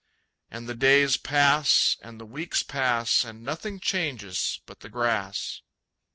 And the days pass, and the weeks pass, And nothing changes but the grass.